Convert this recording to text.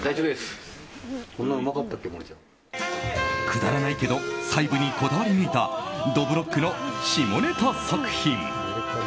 くだらないけど細部にこだわりぬいたどぶろっくの下ネタ作品。